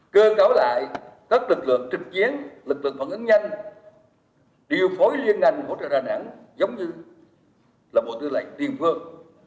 cơ cáo lại các lực lượng trực chiến lực lượng phản ứng nhanh điều phối liên ngành hỗ trợ đà nẵng giống như là bộ tư lệnh tiên phương